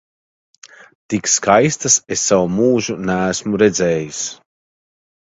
Tik skaistas es savu mūžu neesmu redzējis!